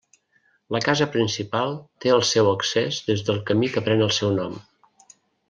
La casa principal té el seu accés des del camí que pren el seu nom.